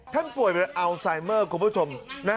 ป่วยเป็นอัลไซเมอร์คุณผู้ชม